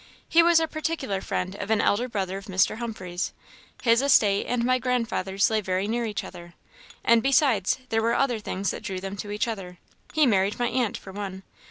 He was a particular friend of an elder brother of Mr. Humphreys; his estate and my grandfather's lay very near each other; and besides, there were other things that drew them to each other he married my aunt, for one.